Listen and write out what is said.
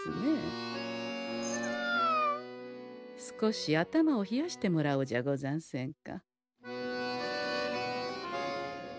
少し頭を冷やしてもらおうじゃござんせんか。